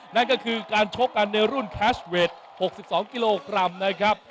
นั่นก็คือการชกกันในรุ่นแคชเวท๖๒กิโลกรัมนะครับ